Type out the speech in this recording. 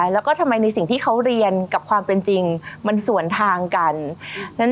แล้วก็ทำไมในสิ่งที่เขาเรียนกับความเป็นจริงมันสวนทางกัน